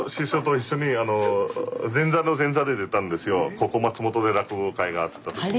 ここ松本で落語会があった時に。